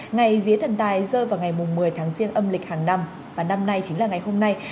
ngày vía thần tài rơi vào ngày một mươi tháng riêng âm lịch hàng năm và năm nay chính là ngày hôm nay